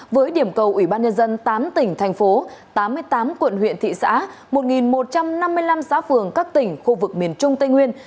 với điểm cầu ủy ban nhân dân tám tỉnh thành phố tám mươi tám quận huyện thị xã một một trăm năm mươi năm xã phường các tỉnh khu vực miền trung tây nguyên